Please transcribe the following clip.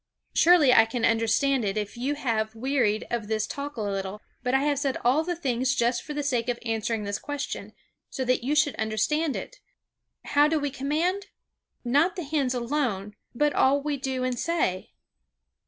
Surely I can understand it if you have wearied of this Talk a little. But I have said all the things just for the sake of answering this question, so that you should understand it. How do we command? not the hands alone but all we do and say?